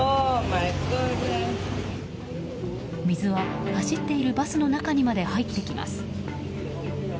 水は走っているバスの中にまで入ってきます。